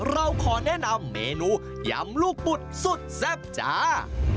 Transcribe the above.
เราขอแนะนำเมนูยำลูกปุดสุดแซ่บจ้า